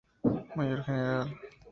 Mayor general.